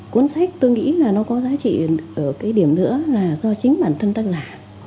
cuốn sách tôi nghĩ là nó có giá trị ở cái điểm nữa là do chính bản thân tác giả